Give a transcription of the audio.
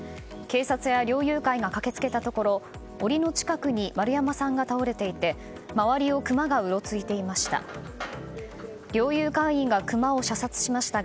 警察や猟友会が駆けつけたところ檻の近くに丸山さんが倒れていて周りをクマがうろついていました。